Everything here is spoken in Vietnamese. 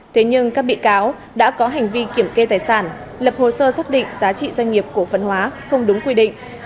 thế nhưng các bị cáo đã có hành vi kiểm kê tài sản lập hồ sơ xác định giá trị doanh nghiệp cổ phần hóa không đúng quy định